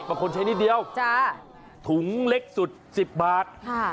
บางคนใช้นี้เดียวจ้ำถุงเล็กสุดสิบบาท